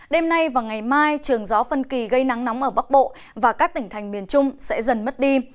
đêm nay và ngày mai trường gió phân kỳ gây nắng nóng ở bắc bộ và các tỉnh thành miền trung sẽ dần mất đi